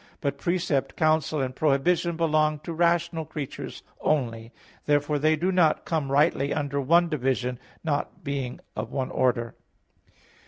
But precept, counsel, and prohibition belong to rational creatures only. Therefore they do not come rightly under one division, not being of one order.